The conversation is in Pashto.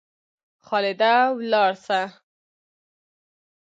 خالده ولاړ سه!